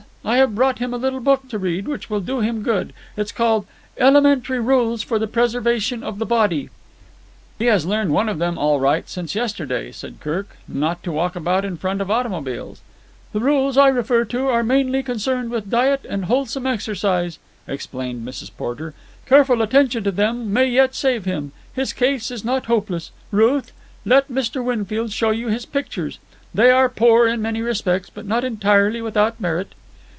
I have brought him a little book to read, which will do him good. It is called 'Elementary Rules for the Preservation of the Body'." "He has learned one of them, all right, since yesterday," said Kirk. "Not to walk about in front of automobiles." "The rules I refer to are mainly concerned with diet and wholesome exercise," explained Mrs. Porter. "Careful attention to them may yet save him. His case is not hopeless. Ruth, let Mr. Winfield show you his pictures. They are poor in many respects, but not entirely without merit."